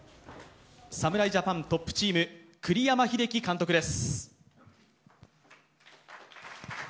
侍ジャパントップチーム栗山英樹監督です。